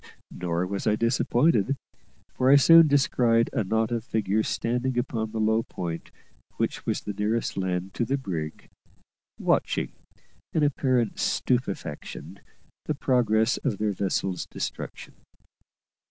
Nor was I disappointed, for I soon descried a knot of figures standing upon the low point, which was the nearest land to the brig, watching, in apparent stupefaction, the progress of their vessel's destruction.